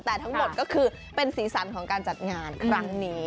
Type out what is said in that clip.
แต่ทั้งหมดก็คือเป็นสีสันของการจัดงานครั้งนี้